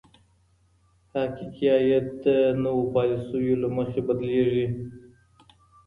حقیقي عاید د نویو پالیسیو له مخي بدلیده.